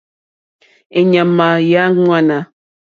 Èɲàmà yà ŋwánà.